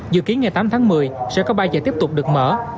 dự kiến ngày tám tháng một mươi sẽ có ba giải tiếp tục được mở